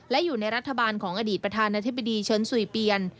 และอยู่ในรัฐบาลของอดีตประธานาธิบดีเชิญสุยเปียน